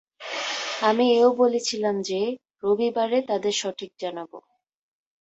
আমি এও বলেছিলাম যে, রবিবারে তাদের সঠিক জানাব।